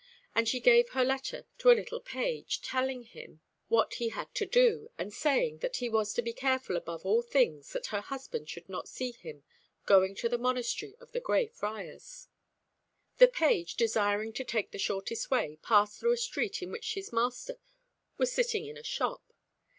And she gave her letter to a little page, telling him what he had to do, and saying that he was to be careful above all things that her husband should not see him going to the monastery of the Grey Friars. The page, desiring to take the shortest way, passed through a street in which his master was sitting in a shop.